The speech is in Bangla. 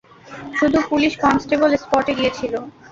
শুধু পুলিশ কনস্টেবল স্পটে গিয়েছিল।